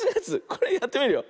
これやってみるよ。